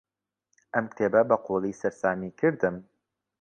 ئەم کتێبە بەقووڵی سەرسامی کردم.